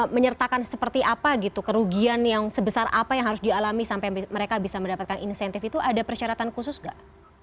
menyertakan seperti apa gitu kerugian yang sebesar apa yang harus dialami sampai mereka bisa mendapatkan insentif itu ada persyaratan khusus nggak